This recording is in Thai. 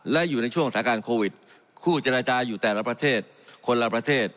และอยู่ในช่วงสถานการณ์โควิดคู่เจรจาอยู่แต่ละประเทศคนละประเทศ